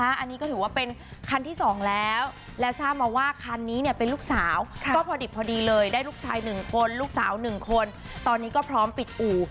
อันนี้ก็ถือว่าเป็นคันที่๒แล้วและทราบมาว่าคันนี้เนี่ยเป็นลูกสาวก็พอดิบพอดีเลยได้ลูกชาย๑คนลูกสาว๑คนตอนนี้ก็พร้อมปิดอู่